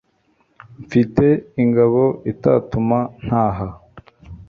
mfite ingabo itatuma ntaha